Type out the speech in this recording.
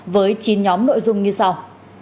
với chín nhóm nội dung như sau